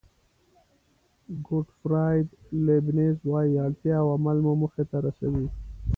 ګوټفراید لیبنېز وایي اړتیا او عمل مو موخې ته رسوي.